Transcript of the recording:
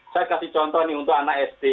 saya kasih contoh nih untuk anak sd